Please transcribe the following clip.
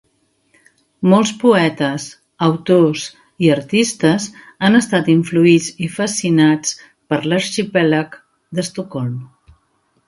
Molts poetes, autors i artistes han estat influïts i fascinats per l'Arxipèlag d'Estocolm.